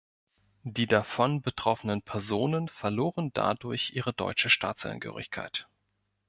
Die davon betroffenen Personen verloren dadurch ihre deutsche Staatsangehörigkeit.